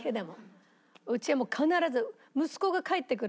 うちはもう必ず。